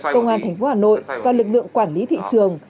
công an thành phố hà nội và lực lượng quản lý thị trường